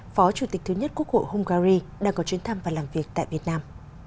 phó chủ tịch thứ nhất quốc hội hungary đang có chuyến thăm và làm việc tại việt nam